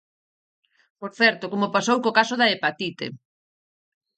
Por certo, como pasou co caso da hepatite.